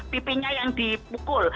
pipinya yang dipukul